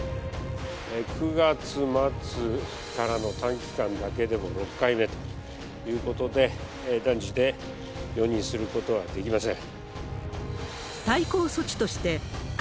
９月末からの短期間だけでも６回目ということで、断じて容認することはできません。